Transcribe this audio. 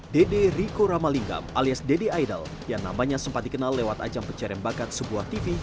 deddy rico ramalingam alias deddy idol yang namanya sempat dikenal lewat ajang pencarian bakat sebuah tv